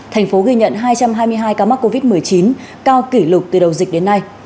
thành phố ghi nhận hai trăm hai mươi hai ca mắc covid một mươi chín cao kỷ lục từ đầu dịch đến nay